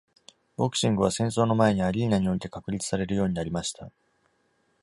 ボクシングは戦争の前にアリーナにおいて確立されるようになりました。